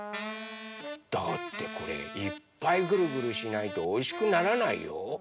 だってこれいっぱいグルグルしないとおいしくならないよ。